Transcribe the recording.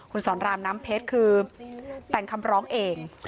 คุณสอนรามน้ำเพชรคือแต่งคำร้องเอง